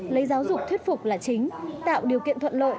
lấy giáo dục thuyết phục là chính tạo điều kiện thuận lợi